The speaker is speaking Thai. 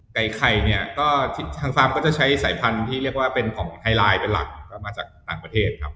ไก่ไข่เนี่ยก็ทางฟาร์มก็จะใช้สายพันธุ์ที่เรียกว่าเป็นของไฮไลน์เป็นหลักก็มาจากต่างประเทศครับ